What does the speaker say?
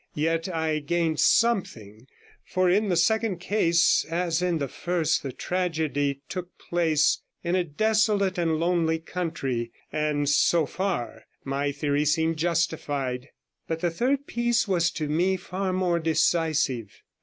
Yet I gained something; for in the second case, as in the first, the tragedy took place in a desolate and lonely country, and so far my theory seemed justified. But the third piece was to me far more decisive.